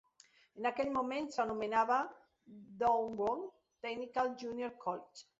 En aquell moment, s'anomenava Doowon Technical Junior College.